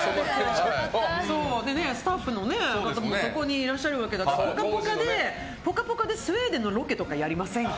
スタッフの方もそこにいらっしゃるわけだし「ぽかぽか」でスウェーデンのロケとかやりませんか？